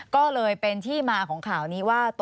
ควิทยาลัยเชียร์สวัสดีครับ